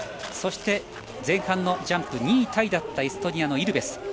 そして、前半のジャンプ２位タイだったエストニアのイルベス。